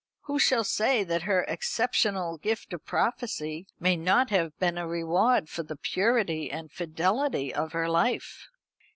Who shall say that her exceptional gift of prophecy may not have been a reward for the purity and fidelity of her life?"